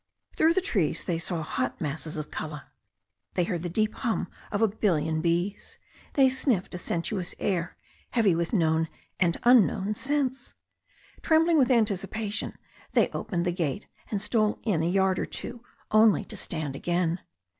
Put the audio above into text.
Through the trees they saw hot masses of colour. They heard the deep hum of a billion bees. They sniffed a sen suous air heavy with known and unknown scents. Trem bling with anticipation, they opened the gate and stole in a yard or two, only to stand again.